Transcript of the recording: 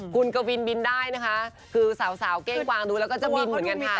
คุณกวินบินได้นะคะคือสาวเก้งกวางดูแล้วก็จะบินเหมือนกันค่ะ